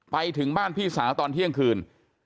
ไปถึงบ้านพี่สาวตอนเที่ยงคืน